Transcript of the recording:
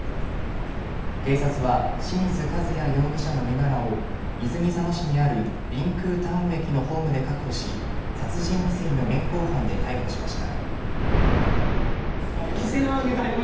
警察は清水和也容疑者の身柄を泉佐野市にあるりんくうタウン駅のホームで確保し殺人未遂の現行犯で逮捕しました。